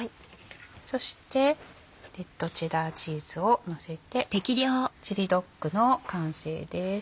そしてレッドチェダーチーズをのせて「チリドッグ」の完成です。